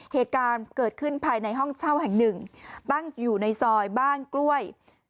เหตุการณ์เกิดขึ้นภายในห้องเช่าแห่งหนึ่งตั้งอยู่ในซอยบ้านกล้วย